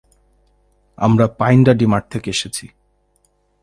আমরা Pineda de Mar থেকে এসেছি।